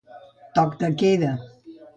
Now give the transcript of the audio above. Toc de queda.